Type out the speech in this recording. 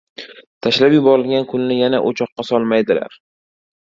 • Tashlab yuborilgan kulni yana o‘choqqa solmaydilar.